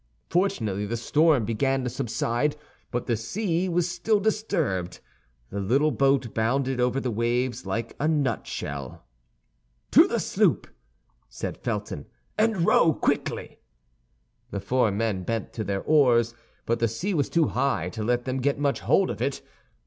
Fortunately the storm began to subside, but still the sea was disturbed. The little boat bounded over the waves like a nut shell. "To the sloop," said Felton, "and row quickly." The four men bent to their oars, but the sea was too high to let them get much hold of it.